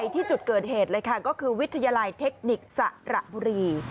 ที่จุดเกิดเหตุเลยค่ะก็คือวิทยาลัยเทคนิคสระบุรี